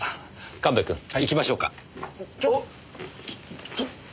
神戸くん行きましょうか。